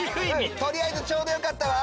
とりあえずちょうどよかったわ。